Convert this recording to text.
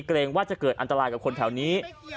เกรงว่าจะเกิดอันตรายกับคนแถวนี้